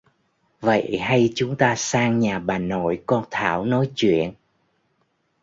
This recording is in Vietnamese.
vậy hay chúng ta sang nhà bà nội con thảo nói chuyện